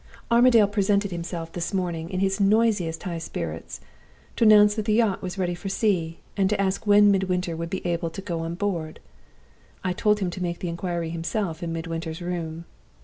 "Armadale presented himself this morning, in his noisiest high spirits, to announce that the yacht was ready for sea, and to ask when Midwinter would be able to go on board. I told him to make the inquiry himself in Midwinter's room.